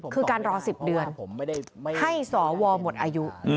คือการรอ๑๐เดือนให้สวหมดอายุ